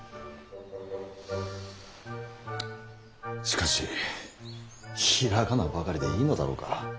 しかし平仮名ばかりでいいのだろうか。